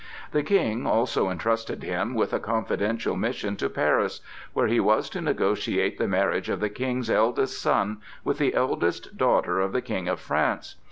The King also intrusted him with a confidential mission to Paris, where he was to negotiate the marriage of the King's eldest son with the eldest daughter of the King of France.